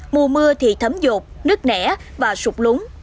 mùa mưa thì thấm rột nứt nẻ và sụp lúng